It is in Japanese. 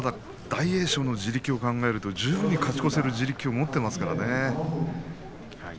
大栄翔の地力を考えると十分に勝ち越せる地力を持っていますからね。